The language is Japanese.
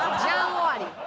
終わり。